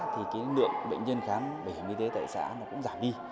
thì cái lượng bệnh nhân khám bảo hiểm y tế tại xã nó cũng giảm đi